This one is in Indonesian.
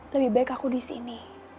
lebih baik aku disini